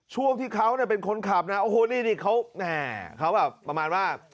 ช่วงที่เขาเป็นคนขับนะโอ้โหนี่เขาแบบประมาณว่า